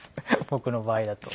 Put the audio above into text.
僕の場合だと。